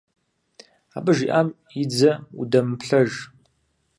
Абы жиӀам и дзэ удэмыплъэж.